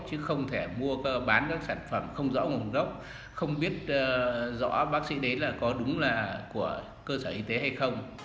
chứ không thể mua bán các sản phẩm không rõ nguồn gốc không biết rõ bác sĩ đấy là có đúng là của cơ sở y tế hay không